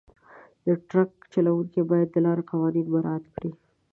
د ټرک چلونکي باید د لارې قوانین مراعات کړي.